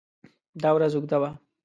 دا ورځ اوږده وه.